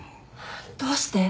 どうして？